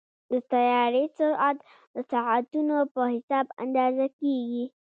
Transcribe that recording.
د طیارې سرعت د ساعتونو په حساب اندازه کېږي.